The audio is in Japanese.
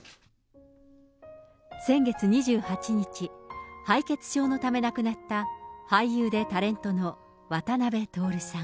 先月２８日、敗血症のため亡くなった、俳優でタレントの渡辺徹さん。